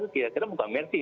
kita bukan mengerti